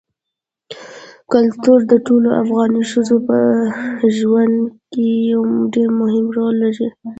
کلتور د ټولو افغان ښځو په ژوند کې یو ډېر مهم رول لري.